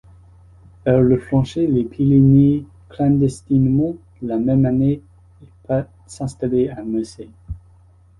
Elle refranchit les Pyrénées clandestinement la même année et part s'installer à Marseille.